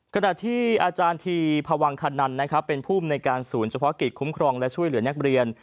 ขณะที่อาจารย์ทีพวังคณันนะครับเป็นภูมิในการศูนย์เฉพาะกิจคุ้มครองและช่วยเหลือนักเรียน